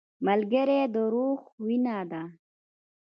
ملګری د روح وینه ده